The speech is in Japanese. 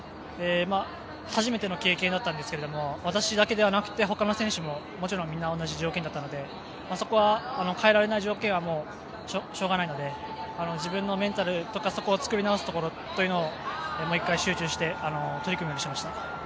初めての経験だったんですけど私だけじゃなくてほかの選手ももちろんみんな同じ条件だったので、そこは変えられない条件はしょうがないので自分のメンタルとかそこを作り直すところを集中して取り組むようにしていました。